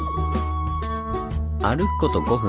歩くこと５分。